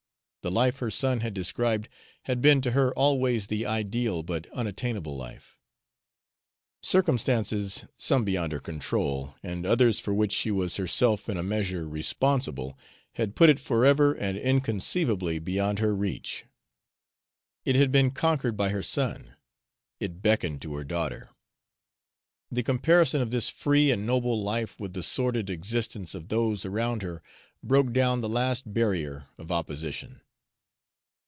The life her son had described had been to her always the ideal but unattainable life. Circumstances, some beyond her control, and others for which she was herself in a measure responsible, had put it forever and inconceivably beyond her reach. It had been conquered by her son. It beckoned to her daughter. The comparison of this free and noble life with the sordid existence of those around her broke down the last barrier of opposition.